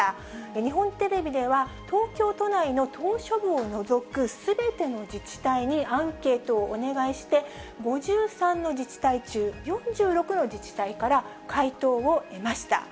日本テレビでは、東京都内の島しょ部を除くすべての自治体にアンケートをお願いして、５３の自治体中、４６の自治体から回答を得ました。